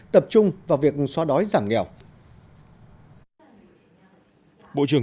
tập trung vào việc xóa đói giảm nghèo